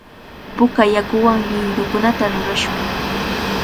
Puka raakuwan ruyrukunata rurashun.